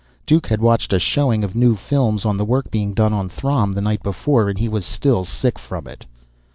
Duke had watched a showing of new films on the work being done on Throm the night before, and he was still sick from it.